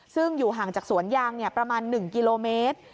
ซึ่งอยู่ห่างจากสวนยางประมาณ๑กิโลเมตร